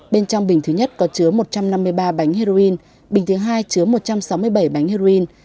bên trong bình thứ nhất có chứa một trăm năm mươi ba bánh heroin bình thứ hai chứa một trăm sáu mươi bảy bánh heroin